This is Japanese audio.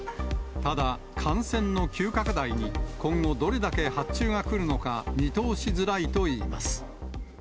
ただ、感染の急拡大に、今後どれだけ発注が来るのか、見通しづらいといいます。